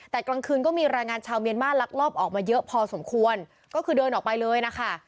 แต่กลางคืนก็มีแรงงานชาวเมียนมาลักลอบออกมาเยอะพอสมควรก็คือเดินออกไปเลยนะคะ